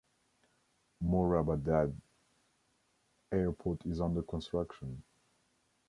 Moradabad Airport is under construction.